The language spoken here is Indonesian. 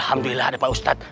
alhamdulillah ada pak ustad